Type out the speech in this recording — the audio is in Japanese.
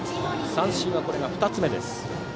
三振はこれで２つ目です。